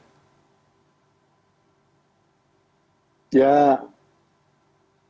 yang kemudian di dekati oleh kedua partai anda